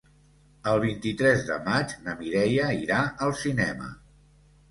El vint-i-tres de maig na Mireia irà al cinema.